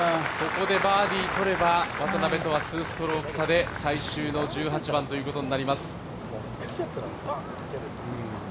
ここでバーディーとれば、渡邉とは２ストローク差で最終の１８番ということになります。